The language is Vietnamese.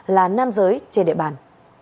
là nam giới trên địa bàn